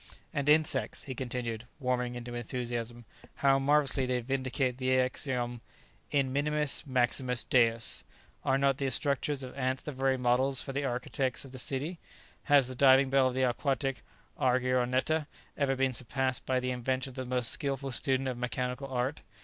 And insects," he continued, warming into enthusiasm, "how marvellously they vindicate the axiom 'In minimis maximus Deus!' Are not the structures of ants the very models for the architects of a city? Has the diving bell of the aquatic argyroneta ever been surpassed by the invention of the most skilful student of mechanical art?